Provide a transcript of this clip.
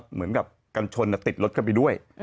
เหมือนกับกันชนติดรถเข้าไปด้วย